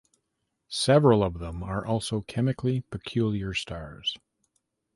Several of them are also chemically peculiar stars.